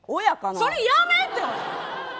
それやめ！